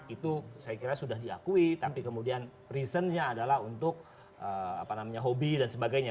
itu saya kira sudah diakui tapi kemudian reasonnya adalah untuk hobi dan sebagainya